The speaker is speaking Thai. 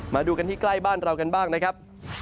มาดูกันที่ใกล้บ้านเรากันบ้างนะครับ